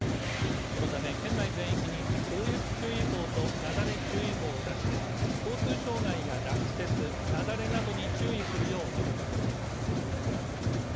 このため県内全域に大雪注意報と雪崩注意報を出して交通障害や落雪、なだれなどに注意するよう呼びかけています。